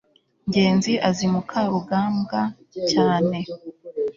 ngenzi azi mukarugambwa cyane